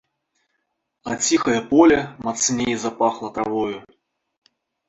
А ціхае поле мацней запахла травою.